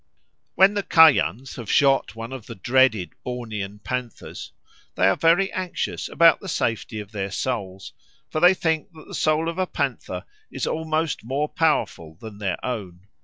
When the Kayans have shot one of the dreaded Bornean panthers, they are very anxious about the safety of their souls, for they think that the soul of a panther is almost more powerful than their own.